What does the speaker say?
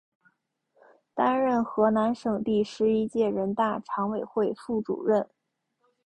担任河南省第十一届人大常委会副主任。